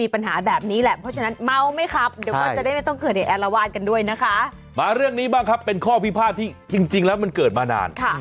เป็นข้อพิพาทที่จริงแล้วมันเกิดมานาน